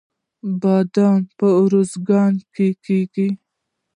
بادیان په ارزګان کې کیږي